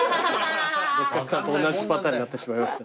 六角さんと同じパターンになってしまいました。